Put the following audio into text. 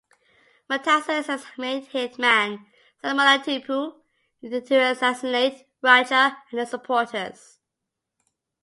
Murtaza asked his main hit man, Salamullah Tipu, to assassinate Raja and his supporters.